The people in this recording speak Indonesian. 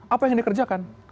apa yang dikerjakan